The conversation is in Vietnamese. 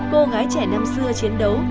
cô gái trẻ năm xưa chiến đấu